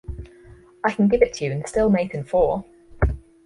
I can give it to you and still mate in four!